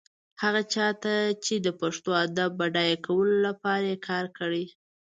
هغه چا ته چې د پښتو ادب بډایه کولو لپاره يې کار کړی.